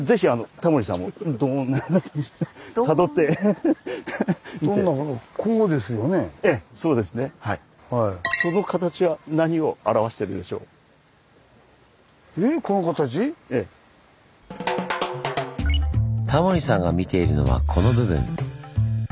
タモリさんが見ているのはこの部分。